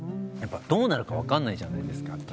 どうなるか分かんないじゃないですか。